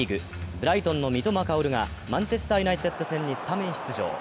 ブライトンの三笘薫がマンチェスター・ユナイテッド戦にスタメン出場。